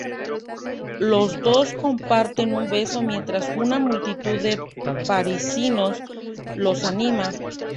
Los dos comparten un beso mientras una multitud de parisinos los anima.